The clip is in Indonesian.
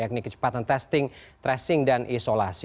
yakni kecepatan testing tracing dan isolasi